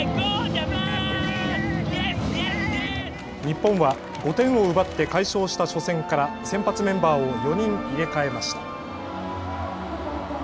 日本は５点を奪って快勝した初戦から先発メンバーを４人入れ替えました。